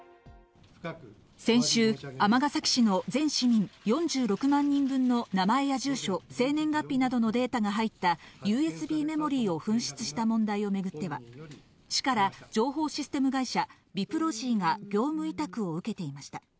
先週、尼崎市の全市民４６万人分の名前や住所、生年月日などのデータが入ったＵＳＢメモリーを紛失した問題をめぐっては、市から情報システム会社・ビプロジーが業務委託を受けていました。